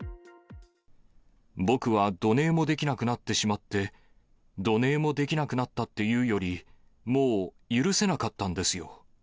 僕はどねーもできなくなってしまって、どねーもできなくなったっていうより、もう許せなかったんですよ。